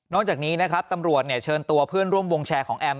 จากนี้นะครับตำรวจเชิญตัวเพื่อนร่วมวงแชร์ของแอม